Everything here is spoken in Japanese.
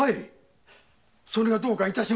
それがどうか致しましたか？